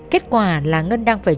kết quả là ngân đang phải